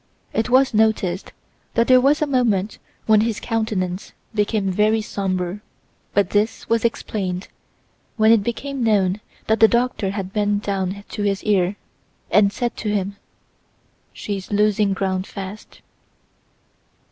It was noticed that there was a moment when his countenance became very sombre. But this was explained when it became known that the doctor had bent down to his ear and said to him, "She is losing ground fast."